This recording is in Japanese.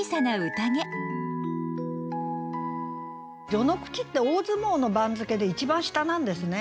「序の口」って大相撲の番付で一番下なんですね。